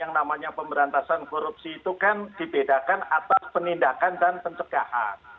yang namanya pemberantasan korupsi itu kan dibedakan atas penindakan dan pencegahan